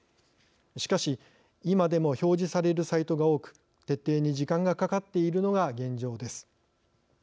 しかし今でも表示されるサイトが多く徹底に時間がかかっているのが現状です。